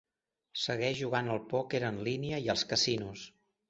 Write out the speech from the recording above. Segueix jugant al pòquer en línia i als casinos.